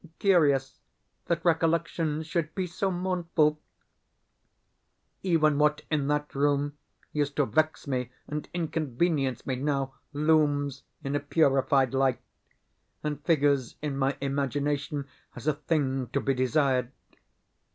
Curious that recollections should be so mournful! Even what in that room used to vex me and inconvenience me now looms in a purified light, and figures in my imagination as a thing to be desired.